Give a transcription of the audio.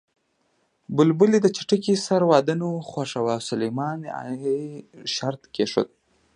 بلبلې د چتکي سره واده نه خوښاوه او سلیمان ع شرط کېښود